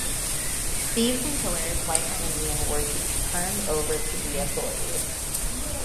Thieves and killers, white or Indian, were to be turned over to the authorities.